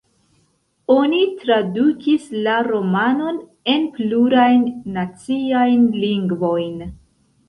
Oni tradukis la romanon en plurajn naciajn lingvojn.